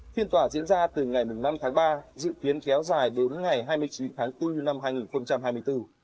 thiên tỏa diễn ra từ ngày một mươi năm tháng ba dự kiến kéo dài đến ngày hai mươi chín tháng bốn năm hai nghìn hai mươi bốn